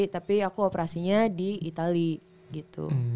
tapi aku operasinya di itali gitu